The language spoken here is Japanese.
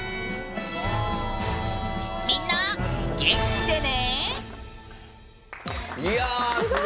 みんな元気でね！